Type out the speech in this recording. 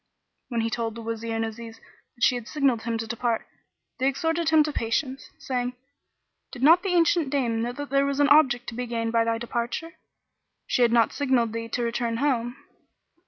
When he told the Wazir and Aziz that she had signed him to depart, they exhorted him to patience, saying, "Did not the ancient dame know that there was an object to be gained by thy departure, she had not signalled thee to return home."